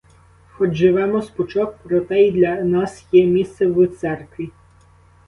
Хоч живемо з пучок, проте й для нас є місце в церкві.